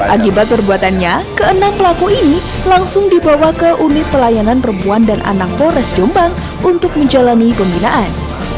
akibat perbuatannya keenam pelaku ini langsung dibawa ke unit pelayanan perempuan dan anak polres jombang untuk menjalani pembinaan